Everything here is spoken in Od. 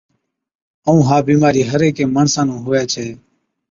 ائُون ها بِيمارِي هر هيڪي ماڻسا نُون هُوَي ڇَي۔